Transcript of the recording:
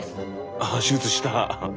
あ手術した！